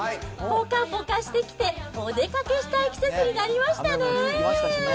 ぽかぽかしてきて、お出かけしたい季節になりましたね。